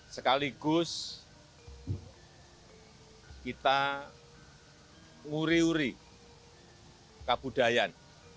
sekaligus kita nguri nguri kebudayaan